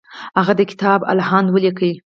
هغه د کتاب الهند ولیکه.